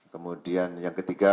kemudian yang ketiga